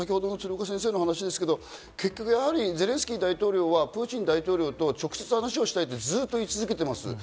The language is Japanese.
鶴岡先生の話ですけど、ゼレンスキー大統領はプーチン大統領と直接話をしたいとずっと言い続けています。